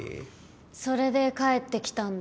それで帰ってきたんだ。